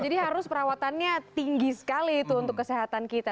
jadi harus perawatannya tinggi sekali itu untuk kesehatan kita